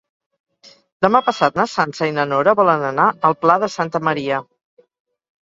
Demà passat na Sança i na Nora volen anar al Pla de Santa Maria.